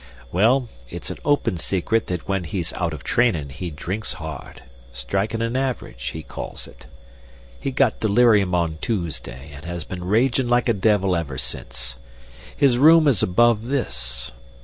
Well, it's an open secret that when he's out of trainin' he drinks hard strikin' an average, he calls it. He got delirium on Toosday, and has been ragin' like a devil ever since. His room is above this.